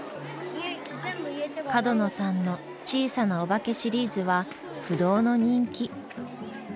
角野さんの「小さなおばけ」シリーズは不動の人気。